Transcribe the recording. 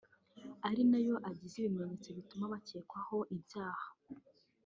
ari nayo agize ibimenyetso bituma bakekwaho ibyaha